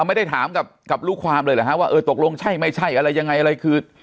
ไม่ได้ถามกับลูกความเลยหรือว่าตกลงใช่ไม่ใช่อะไรยังไง